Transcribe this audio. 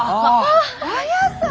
綾さん！